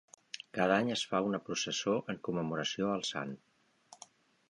Cada any es fa una processó en commemoració al Sant.